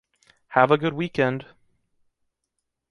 Have a good weekend!